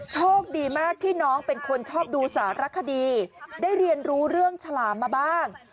โชคดีมากที่น้องเป็นคนชอบดูสารคดีได้เรียนรู้เรื่องฉลามมาบ้าง